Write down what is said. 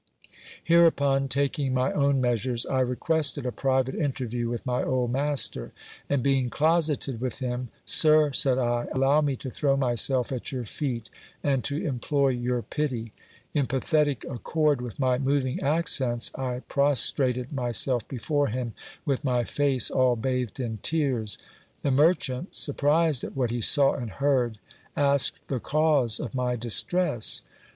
Hereupon, taking my own measures, I requested a private interview with my old master ; and being closeted with him, Sir, said I, allow me to throw myself at your feet, and to implore your pity. In pathetic accord with my moving accents, I prostrated myself before him, with my face all bathed in tears. The merchant, surprised at what he saw and heard, asked the cause of my distress.